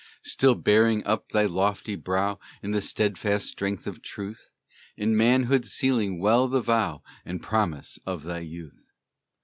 Still bearing up thy lofty brow, In the steadfast strength of truth, In manhood sealing well the vow And promise of thy youth.